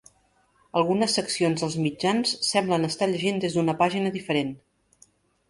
Algunes seccions dels mitjans semblen estar llegint des d'una pàgina diferent.